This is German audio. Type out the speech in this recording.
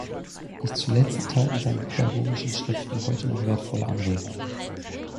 Nicht zuletzt enthalten seine pädagogischen Schriften heute noch wertvolle Anregungen.